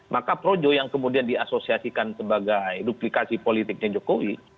maka projo yang kemudian diasosiasikan sebagai duplikasi politiknya jokowi